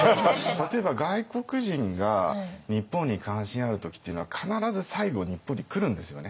例えば外国人が日本に関心ある時っていうのは必ず最後日本に来るんですよね。